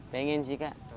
pengen sih kak